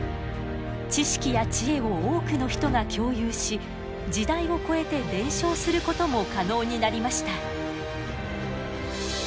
知識や知恵を多くの人が共有し時代を超えて伝承することも可能になりました。